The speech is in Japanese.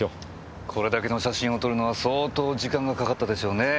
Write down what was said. これだけの写真を撮るのは相当時間がかかったでしょうねぇ。